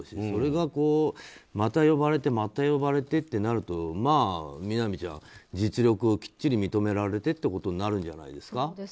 それがまた呼ばれてまた呼ばれてってなるとみなみちゃん、実力をきっちり認められてってことになるんじゃないですか。